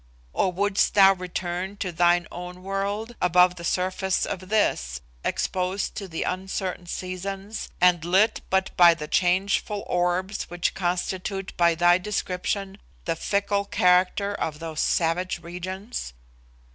Or wouldst thou return to thine own world, above the surface of this, exposed to the uncertain seasons, and lit but by the changeful orbs which constitute by thy description the fickle character of those savage regions?